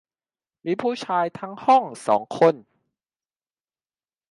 มีผู้ชายทั้งห้องสองคน